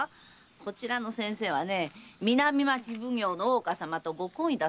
こちらの先生は南町奉行の大岡様とご懇意だそうですよ。